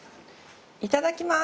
いただきます。